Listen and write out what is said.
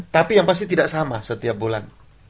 tapi yang pasti tidak sama setiap bulan